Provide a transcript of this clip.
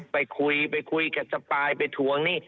ไปคุยกับสะปายไปทวงนี่